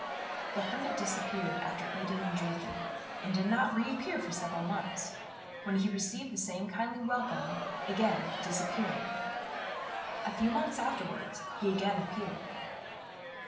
The hermit disappeared, after eating and drinking, and did not reappear for several months, when he received the same kindly welcome, again disappearing. A few months afterwards he again appeared.